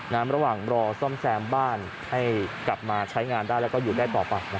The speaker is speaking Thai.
ระหว่างรอซ่อมแซมบ้านให้กลับมาใช้งานได้แล้วก็อยู่ได้ต่อไป